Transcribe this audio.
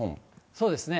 そうですね。